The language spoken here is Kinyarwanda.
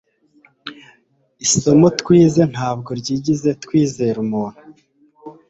isomo twize ntabwo ryigeze twizera umuntu